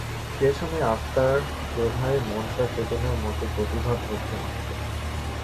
পেছনে আত্মার প্রভায় মনটা চেতনের মত প্রতিভাত হচ্ছে মাত্র।